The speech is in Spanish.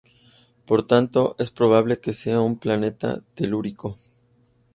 Por tanto, es probable que sea un planeta telúrico.